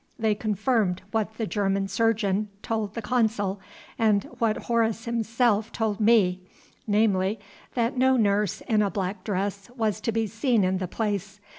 They confirmed what the German surgeon told the consul, and what Horace himself told me namely, that no nurse in a black dress was to be seen in the place.